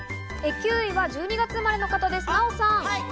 ９位は１２月生まれの方です、ナヲさん。